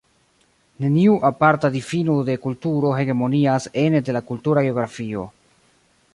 Neniu aparta difino de kulturo hegemonias ene de la kultura geografio.